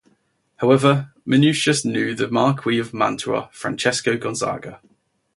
However, Manutius knew the Marquis of Mantua, Francesco Gonzaga.